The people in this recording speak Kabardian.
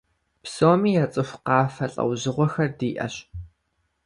Псоми яцӀыху къафэ лӀэужьыгъуэхэр диӀэщ.